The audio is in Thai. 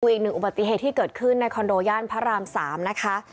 อีกหนึ่งอุบัติเหตุที่เกิดขึ้นในคอนโดย่านพระราม๓นะคะ